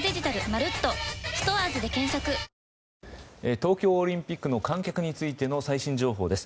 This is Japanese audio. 東京オリンピックの観客についての最新情報です。